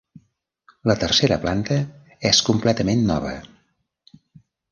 La tercera planta és completament nova.